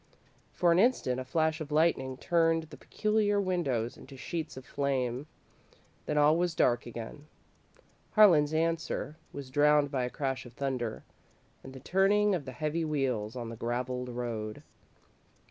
For an instant a flash of lightning turned the peculiar windows into sheets of flame, then all was dark again. Harlan's answer was drowned by a crash of thunder and the turning of the heavy wheels on the gravelled road.